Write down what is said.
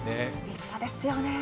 立派ですよね。